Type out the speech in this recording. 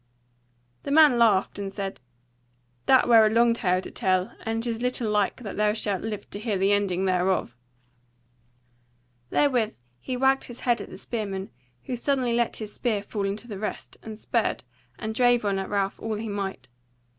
The man laughed, and said: "That were a long tale to tell; and it is little like that thou shalt live to hear the ending thereof." Therewith he wagged his head at the spearman, who suddenly let his spear fall into the rest, and spurred, and drave on at Ralph all he might.